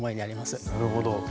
なるほど。